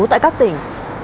tại các tỉnh